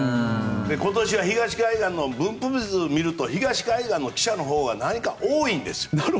今年は東海岸の分布図を見ると東海岸の記者のほうが多いんですよ。